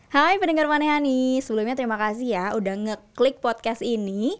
hai pendengar manihani sebelumnya terima kasih ya udah ngeklik podcast ini